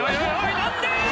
何で！」